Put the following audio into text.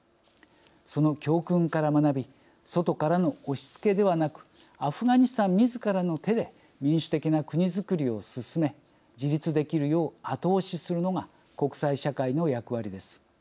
その教訓から学び外からの押しつけではなくアフガニスタンみずからの手で民主的な国づくりを進め自立できるよう後押しするのが国際社会の役割です。